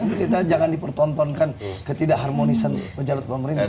jadi kita jangan dipertontonkan ketidak harmonisan pejabat pemerintah